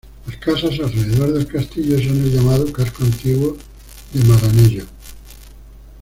Las casas alrededor del castillo son el llamado casco antiguo de Maranello.